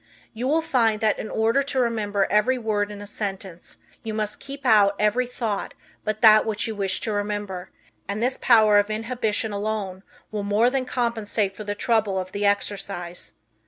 You will find that in order to remember every word in a sentence you must keep out every thought but that which you wish to remember, and this power of inhibition alone will more than compensate for the trouble of the exercise.